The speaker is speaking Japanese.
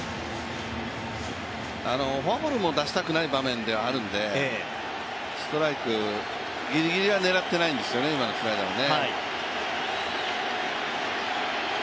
フォアボールも出したくない場面ではあるんでストライク、ギリギリは狙っていないんですね、今のスライダーも。